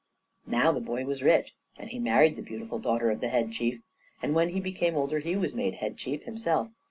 Now the boy was rich, and he married the beautiful daughter of the Head Chief, and when he became older he was made Head Chief himself.